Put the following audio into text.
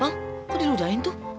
hah kok dirudahin itu